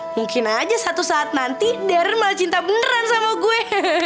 mungkin aja satu saat nanti dern malah cinta beneran sama gue